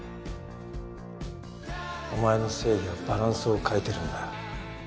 お前の正義はバランスを欠いてるんだ。